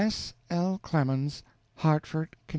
S. L. Clemens, HARTFORD, CONN.